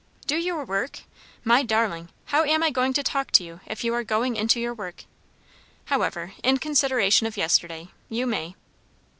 "Do your work? My darling! How am I going to talk to you, if you are going into your work? However, in consideration of yesterday you may."